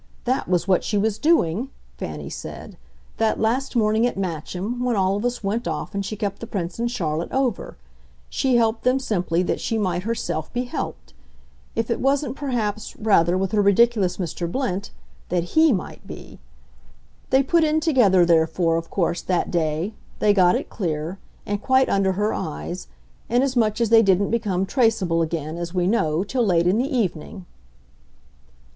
That was what she was doing," Fanny said, "that last morning at Matcham when all of us went off and she kept the Prince and Charlotte over. She helped them simply that she might herself be helped if it wasn't perhaps, rather, with her ridiculous Mr. Blint, that HE might be. They put in together, therefore, of course, that day; they got it clear and quite under her eyes; inasmuch as they didn't become traceable again, as we know, till late in the evening."